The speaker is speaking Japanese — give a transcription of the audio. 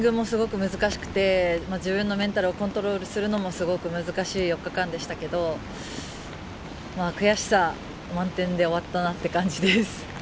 セッティングもすごく難しくて自分のメンタルをコントロールするのも難しい４日間でしたけど、悔しさ満点で終わったなって感じです。